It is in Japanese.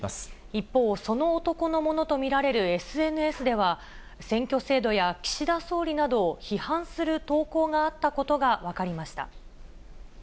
一方、その男のものと見られるＳＮＳでは、選挙制度や岸田総理などを批判する投稿があったことが分かりました。